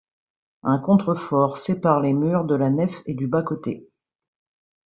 Un contrefort sépare les murs de la nef et du bas-côté.